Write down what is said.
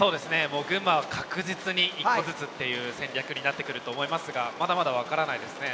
もう群馬は確実に１個ずつっていう戦略になってくると思いますがまだまだ分からないですね